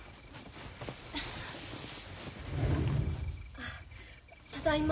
・あただいま。